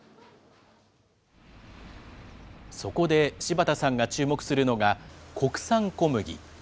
そこで柴田さんが注目するのが、国産小麦。